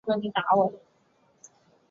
后由兵工厂所铸制。